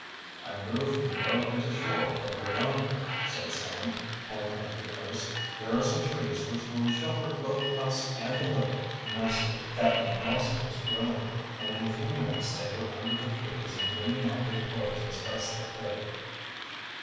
"I move we row into shore over yonder," said Sam, pointing up the coast. "There are some trees which will shelter both us and the boat nicely." Captain Blossom was willing, and in a few minutes they were under the trees and wringing out their clothes as best they could.